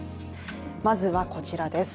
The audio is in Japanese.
まずはこちらです。